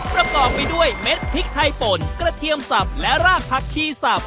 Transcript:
ประกอบไปด้วยเม็ดพริกไทยป่นกระเทียมสับและรากผักชีสับ